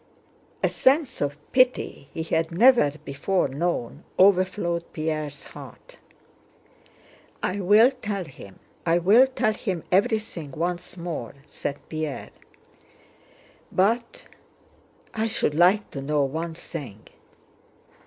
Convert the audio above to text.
A sense of pity he had never before known overflowed Pierre's heart. "I will tell him, I will tell him everything once more," said Pierre. "But... I should like to know one thing...."